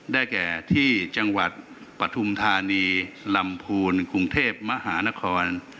แก่ที่จังหวัดปฐุมธานีลำพูนกรุงเทพมหานคร